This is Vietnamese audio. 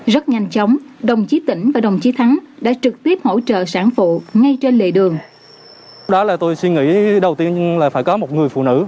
rất nhanh chóng đồng chí tỉnh và đồng chí thắng đã trực tiếp hỗ trợ sản phụ ngay trên lề đường